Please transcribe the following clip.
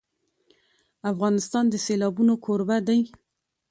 افغانستان د سیلابونه کوربه دی.